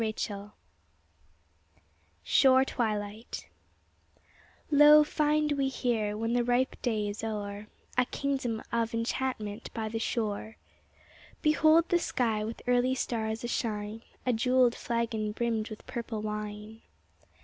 21 SHORE TWILIGHT Lo, find we here when the ripe day is o'er, A kingdom of enchantment by the shore ! Behold the sky with early stars ashine, A jewelled flagon brimmed with purple wine.